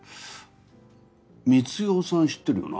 光代さん知ってるよな？